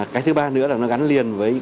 cái thứ ba nữa là nó gắn liền với